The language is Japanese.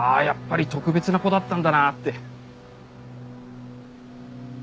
やっぱり特別な子だったんだなって。